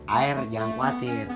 air jangan khawatir